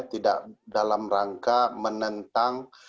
tidak dalam rangka menentang